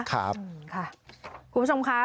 คุณผู้ชมคะ